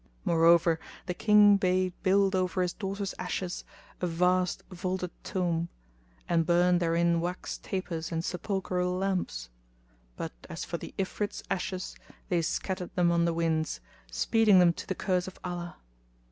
Moreover the King bade build over his daughter's ashes a vast vaulted tomb, and burn therein wax tapers and sepulchral lamps: but as for the Ifrit's ashes they scattered them on the winds, speeding them to the curse of Allah.